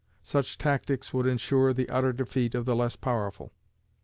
Such tactics would insure the utter defeat of the less powerful.